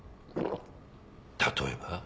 例えば？